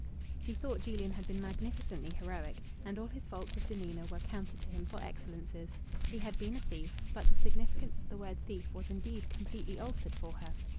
She thought Julian had been magnificently heroic, and all his faults of demeanour were counted to him for excellences. He had been a thief; but the significance of the word "thief" was indeed completely altered for her.